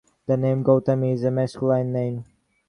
The name "Gautam" is a masculine name.